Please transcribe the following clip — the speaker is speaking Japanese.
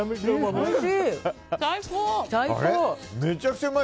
おいしい！